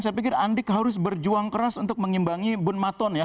saya pikir andik harus berjuang keras untuk mengimbangi bun maton ya